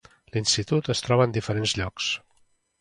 L'institut es troba en diferents llocs.